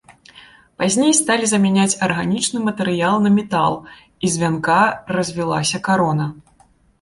Пазней сталі замяняць арганічны матэрыял на метал, і з вянка развілася карона.